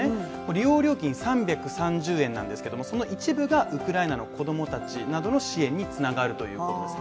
利用料金３３０円なんですけれども、その一部がウクライナの子供たちなどの支援につながるということです。